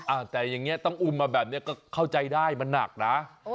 อ่ะแต่อย่างนี้ต้องอุ้มมาแบบนี้ก็เข้าใจได้มันหนักนะ